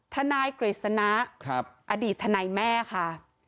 นายกฤษณะอดีตทนายแม่ค่ะ